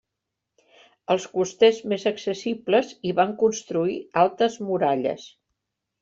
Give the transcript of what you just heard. Als costers més accessibles, hi van construir altes muralles.